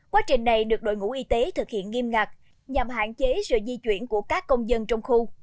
quá trình này được đội ngũ y tế thực hiện nghiêm ngặt nhằm hạn chế sự di chuyển của các công dân trong khu